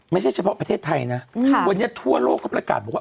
ไม่ใช่เฉพาะประเทศไทยนะวันนี้ทั่วโลกเขาประกาศบอกว่า